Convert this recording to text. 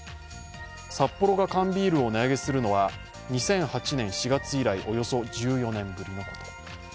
サッポロが缶ビールを値上げするのは、２００８年４月以来およそ１４年ぶりのことです。